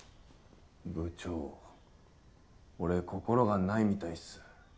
部長俺心がないみたいっす。